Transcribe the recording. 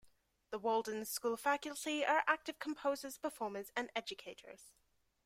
The Walden School Faculty are active composers, performers and educators.